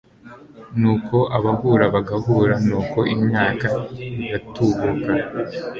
Nuko abahura bagahura nuko imyaka igatubuka